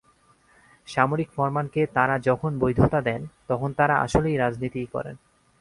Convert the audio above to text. সামরিক ফরমানকে তাঁরা যখন বৈধতা দেন, তখন তাঁরা আসলে রাজনীতিই করেন।